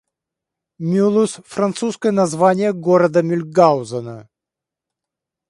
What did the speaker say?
Мюлуз — французское название города Мюльгаузена.